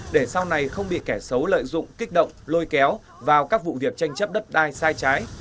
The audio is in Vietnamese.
để sau này không bị kẻ xấu lợi dụng kích động lôi kéo vào các vụ việc tranh chấp đất đai sai trái